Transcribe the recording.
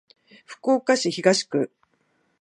福岡市東区